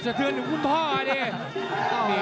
สะเทือนอยู่คุณพ่ออ่ะดิ